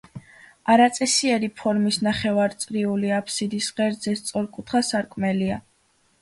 არაწესიერი ფორმის ნახევარწრიული აფსიდის ღერძზე სწორკუთხა სარკმელია.